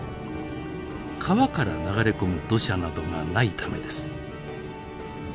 川から流れ込む土砂などがないためです。